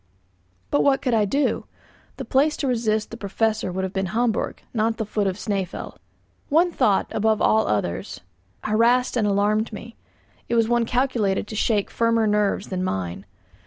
But what could I do? The place to resist the Professor would have been Hamburg, not the foot of Snæfell. One thought, above all others, harassed and alarmed me; it was one calculated to shake firmer nerves than mine.